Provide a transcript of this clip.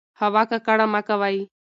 هوا ککړه مه کوئ.